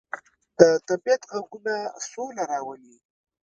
د طبیعت غږونه سوله راولي.